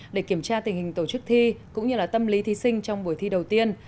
để kiểm tra tình hình tổ chức thi cũng như tâm lý thí sinh trong buổi thi đầu tiên